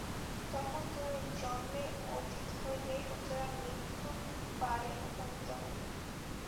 তখন তুমি জন্মের অতীত হইলে, সুতরাং মৃত্যুরও পারে উপনীত হইলে।